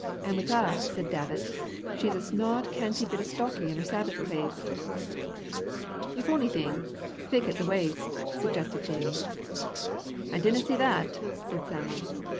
"An' wi't a'," said Davit, "she's a snod, canty bit stocky in her Sabbath claes." "If onything, thick in the waist," suggested Jamie. "I dinna see that," said Sam'l.